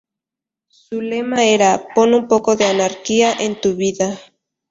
Su lema era "pon un poco de anarquía en tu vida".